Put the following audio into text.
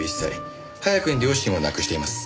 早くに両親を亡くしています。